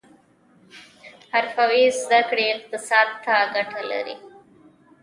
حرفوي زده کړې اقتصاد ته ګټه لري